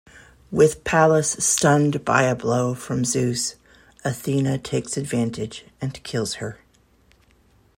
With Pallas stunned by a blow from Zeus, Athena takes advantage and kills her.